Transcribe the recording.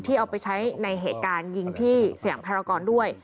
ที่เอาไปใช้ในเหตุการณ์ยิงที่เสียงแพลลากรด้วย